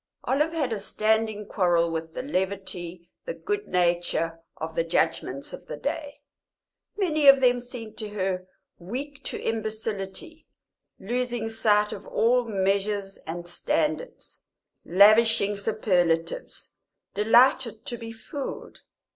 Olive had a standing quarrel with the levity, the good nature, of the judgements of the day; many of them seemed to her weak to imbecility, losing sight of all measures and standards, lavishing superlatives, delighted to be fooled.